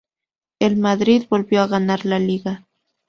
El Madrid volvió a ganar la Liga.